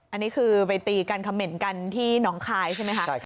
อันนี้คือไปตีกันคำเหม็นกันที่น้องคายใช่ไหมคะ